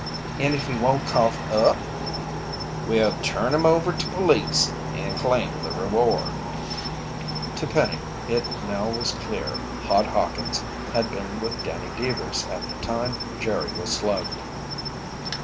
"And if he won't cough up?" "We'll turn him over to police and claim the reward." To Penny, it now was clear Hod Hawkins had been with Danny Deevers at the time Jerry was slugged.